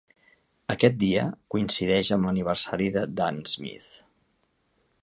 Aquest dia, coincideix amb l'aniversari de Dan Smith.